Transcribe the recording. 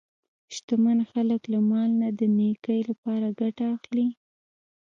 شتمن خلک له مال نه د نیکۍ لپاره ګټه اخلي.